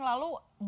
lalu damai apa